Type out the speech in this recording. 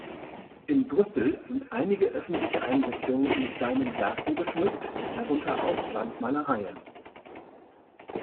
In Brüssel sind einige öffentliche Einrichtungen mit seinen Werken geschmückt, darunter auch Wandmalereien.